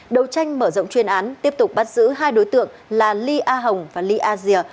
đầu tranh mở rộng chuyên án tiếp tục bắt giữ hai đối tượng là ly a hồng và ly a dìa